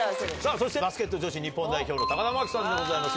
そしてバスケット女子日本代表の田真希さんでございます。